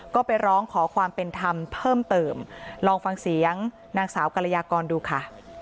ก็ไปร้องขอความเป็นธรรมเพิ่มเติมลองฟังเสียงนางสาวกรยากรดูค่ะ